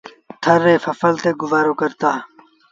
ٿر ري ڦسل تي گزآرو ڪرتآ۔